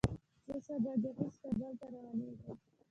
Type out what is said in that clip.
زه سبا ګهیځ کابل ته روانېږم.